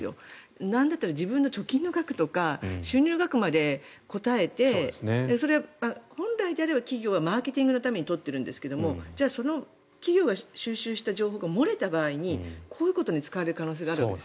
なんだったら自分の貯金の額とか収入額まで答えて本来であれば企業はマーケティングのために取っているんですけどじゃあ、その企業が収集した情報が漏れた場合にこういうことに使われる可能性があるわけです。